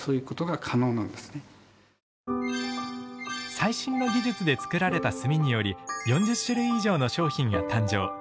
最新の技術で作られた炭により４０種類以上の商品が誕生。